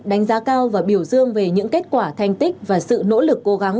đánh giá cao và biểu dương về những kết quả thành tích và sự nỗ lực cố gắng